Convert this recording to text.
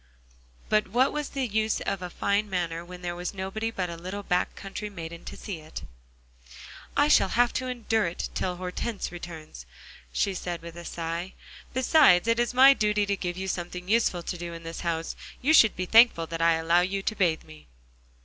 But what was the use of a fine manner when there was nobody but a little back country maiden to see it? "I shall have to endure it till Hortense returns," she said with a sigh; "besides, it is my duty to give you something useful to do in this house. You should be thankful that I allow you to bathe me."